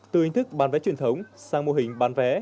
từ hình thức bán vé truyền thống sang mô hình bán vé